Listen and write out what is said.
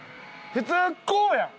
普通こうやん。